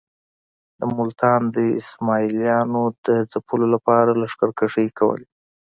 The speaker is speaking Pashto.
د ملتان د اسماعیلیانو د ځپلو لپاره لښکرکښۍ کولې.